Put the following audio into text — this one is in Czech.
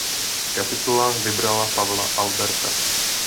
Kapitula vybrala Pavla Alberta.